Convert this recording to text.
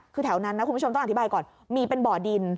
คือแถวนั้นนะคุณผู้ชมต้องอธิบายก่อนมีเป็นบ่อดิน